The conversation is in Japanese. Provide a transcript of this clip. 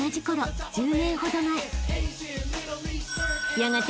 ［やがて］